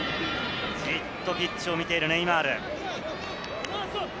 じっとピッチを見ているネイマール。